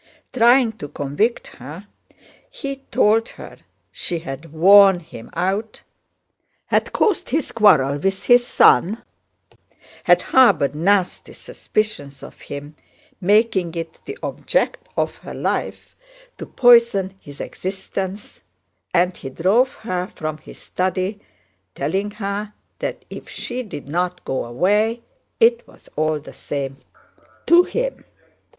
Trying to convict her, he told her she had worn him out, had caused his quarrel with his son, had harbored nasty suspicions of him, making it the object of her life to poison his existence, and he drove her from his study telling her that if she did not go away it was all the same to him.